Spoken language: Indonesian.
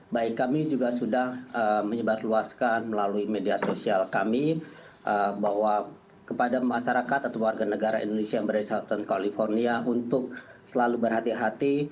baik kami juga sudah menyebarluaskan melalui media sosial kami bahwa kepada masyarakat atau warga negara indonesia yang berada di selatan california untuk selalu berhati hati